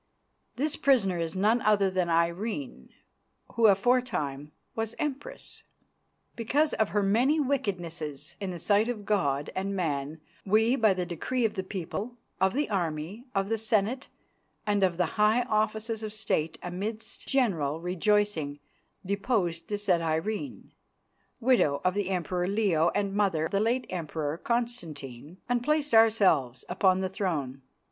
This prisoner is none other than Irene, who aforetime was Empress. "'Because of her many wickednesses in the sight of God and man we by the decree of the People, of the Army, of the Senate and of the high Officers of State amidst general rejoicing deposed the said Irene, widow of the Emperor Leo and mother of the late Emperor Constantine, and placed ourselves upon the throne.